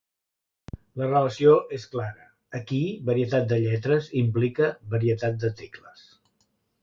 La relació és clara: aquí varietat de lletres implica varietat de tecles.